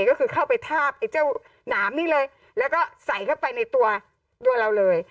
ก็คือเข้าไปทาบไอ้เจ้าหนามนี่เลยแล้วก็ใส่เข้าไปในตัวเราเลย